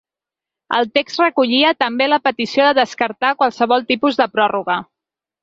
El text recollia també la petició de descartar qualsevol tipus de pròrroga.